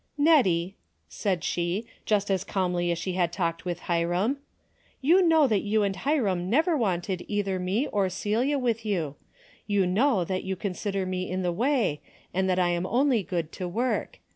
"Hettie," said she, just as calmly as she had talked to Hiram, "you know that you and Hiram never wanted either me or Celia with DAILY bate:' 117 you. You know that you consider me in the way, and that I am only good to work.